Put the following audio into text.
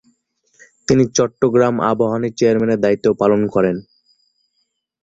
তিনি চট্টগ্রাম আবাহনীর চেয়ারম্যানের দায়িত্ব পালন করেন।